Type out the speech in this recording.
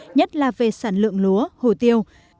nhất là về sản lượng lúa hủ tiêu